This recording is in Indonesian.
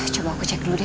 coba aku cek dulu deh